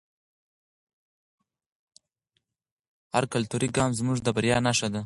هر کلتوري ګام زموږ د بریا نښه ده.